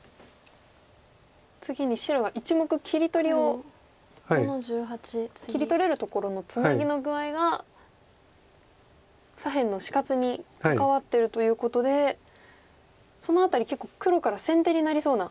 次に白が１目切り取りを切り取れるところのツナギの具合が左辺の死活にかかわってるということでその辺り結構黒から先手になりそうな。